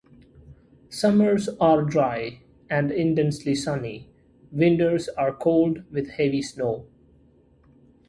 Summers are dry and intensely sunny; winters are cold with heavy snow.